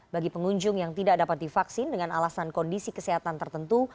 bagi pengunjung yang tidak dapat divaksin dengan alasan kondisi kesehatan tertentu